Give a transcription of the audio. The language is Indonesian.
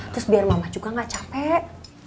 terus biar mama juga gak capek